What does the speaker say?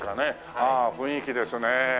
ああ雰囲気ですね。